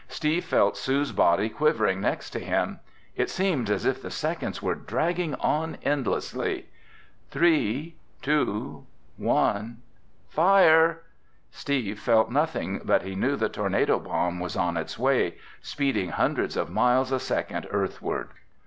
Steve felt Sue's body quivering next to him. It seemed as if the seconds were dragging on endlessly. "Three—two—one—FIRE!" Steve felt nothing but he knew the tornado bomb was on its way, speeding hundreds of miles a second Earthward.